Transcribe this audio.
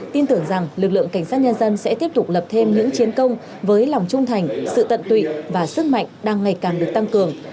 tin tưởng rằng lực lượng cảnh sát nhân dân sẽ tiếp tục lập thêm những chiến công với lòng trung thành sự tận tụy và sức mạnh đang ngày càng được tăng cường